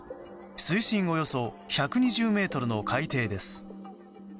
水深およそ１２０ｍの海底です。